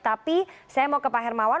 tapi saya mau ke pak hermawan